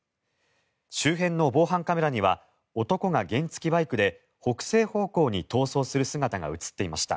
周辺の防犯カメラには男が原付きバイクで北西方向に逃走する姿が映っていました。